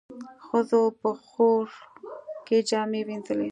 ښځو په خوړ کې جامې وينځلې.